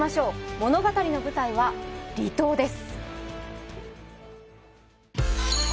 物語の舞台は離島です。